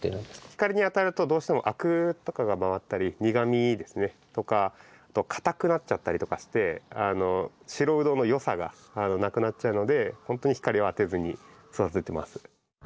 光に当たるとどうしてもアクとかが回ったり苦みですねとか硬くなっちゃったりとかして白ウドの良さがなくなっちゃうのでほんとに光を当てずに育ててます。